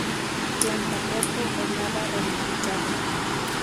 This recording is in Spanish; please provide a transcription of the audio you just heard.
Planta poco o nada ramificada.